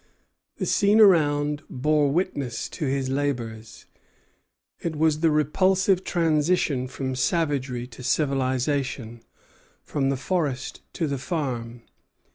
The scene around bore witness to his labors. It was the repulsive transition from savagery to civilization, from the forest to the farm.